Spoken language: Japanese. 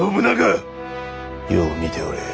よう見ておれ